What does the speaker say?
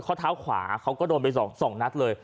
ข้อเท้าขวาเขาก็โดนไป๒นัดเลย